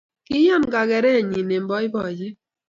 Kiiyan kagerenyi eng boiboiyet